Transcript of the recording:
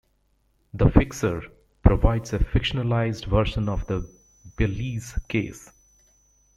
"The Fixer" provides a fictionalized version of the Beilis case.